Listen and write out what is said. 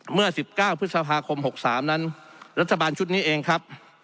เมื่อสิบเก้าพฤษภาคมหกสามนั้นรัฐบาลชุดนี้เองครับ